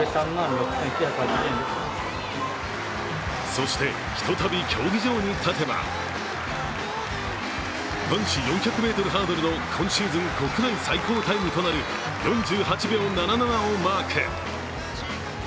そして、ひとたび競技場に立てば男子４００ｍハードルの今シーズン国内最高タイムとなる４８秒７７をマーク。